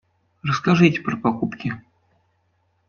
Расскажите про покупки.